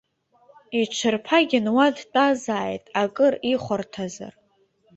Иҽырԥагьан уа дтәазааит, акыр ихәарҭазар.